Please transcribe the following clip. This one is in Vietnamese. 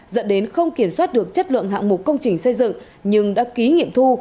dẫn đến không kiểm soát được chất lượng hạng mục công trình xây dựng nhưng đã ký nghiệm thu